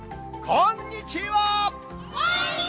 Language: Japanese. こんにちは。